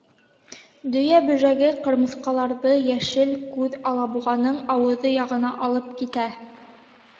Дөйә бөжәге ҡырмыҫҡаларҙы Йәшел күҙ алабуғаның ауыҙы яғына алып китә.